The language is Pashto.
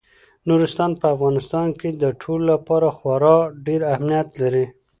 نورستان په افغانستان کې د ټولو لپاره خورا ډېر اهمیت لري.